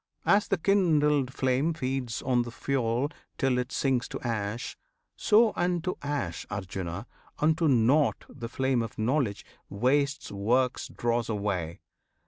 As the kindled flame Feeds on the fuel till it sinks to ash, So unto ash, Arjuna! unto nought The flame of Knowledge wastes works' dross away!